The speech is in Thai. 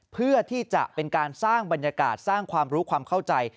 เพื่อที่จะเป็นการสร้างบรรยากาศสร้างความรู้ความเข้าใจ